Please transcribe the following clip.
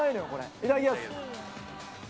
いただきます。